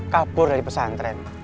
kabur dari pesantren